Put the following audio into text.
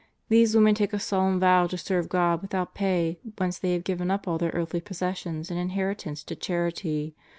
These women take a solemn vow to serve God without pay once they have given up all their earthly possessions and inheritance to charity.